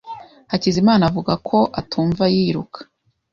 Hakizimana avuga ko atumva yiruka.